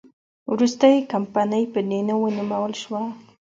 وروسته یې کمپنۍ په دې نوم ونومول شوه.